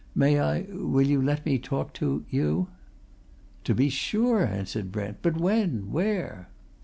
"May I will you let me talk to you?" "To be sure!" answered Brent. "But when where?"